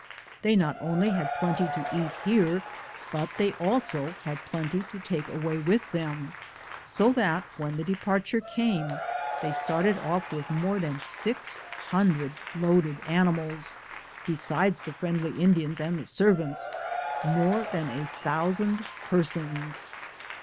They not only had plenty to eat here, but they also had plenty to take away with them, so that when the departure came am Google THE JOURNEY OP CORONADO they started off with more than six hundred loaded animals, besides the friendly Indians and the servants — more than a thousand persons.